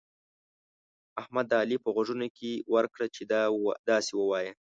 احمد د علي په غوږو کې ورکړه چې داسې ووايه.